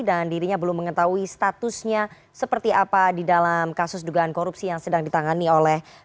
dan dirinya belum mengetahui statusnya seperti apa di dalam kasus dugaan korupsi yang sedang ditangani oleh kpk saat ini